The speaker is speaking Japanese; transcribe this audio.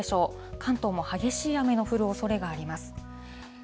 関東も激しい雨の降るおそれがあります。